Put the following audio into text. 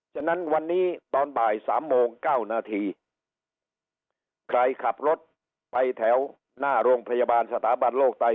ฉะนั้นวันนี้ตอนบ่ายสามโมงเก้านาทีใครขับรถไปแถวหน้าโรงพยาบาลสถาบันโลกไต